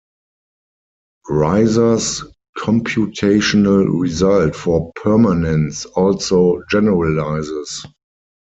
Ryser's computational result for permanents also generalizes.